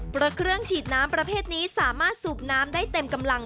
เพราะเครื่องฉีดน้ำประเภทนี้สามารถสูบน้ำได้เต็มกำลัง